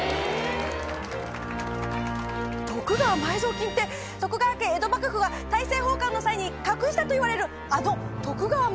徳川埋蔵金って徳川家江戸幕府が大政奉還の際に隠したといわれるあの徳川埋蔵金ですか？